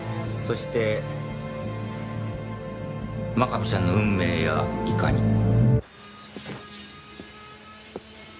そして真壁ちゃんの運命やいかに。